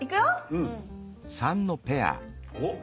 うん。おっ！